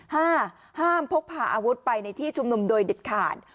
ห้ามพกพาอาวุธไปในที่ชุมนุมโดยเด็ดขาด